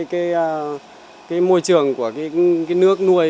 cái môi trường của cái nước nuôi